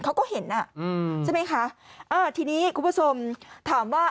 เขาก็เห็นอ่ะอืมใช่ไหมคะอ่าทีนี้คุณผู้ชมถามว่า